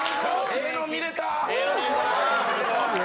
・ええのん見れたな！